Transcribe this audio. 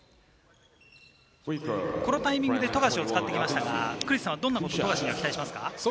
このタイミングで富樫を使ってきましたが、どんなことを期待しますか？